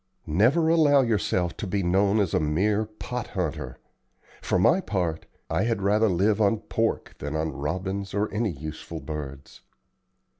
Never allow yourself to be known as a mere 'pot hunter.' For my part, I had rather live on pork than on robins or any useful birds."